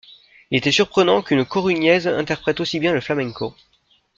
Il était surprenant qu'une Corugnaise interprète aussi bien le flamenco.